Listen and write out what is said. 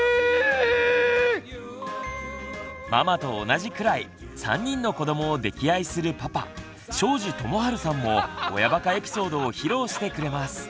ママと同じくらい３人の子どもを溺愛するパパ庄司智春さんも親バカエピソードを披露してくれます。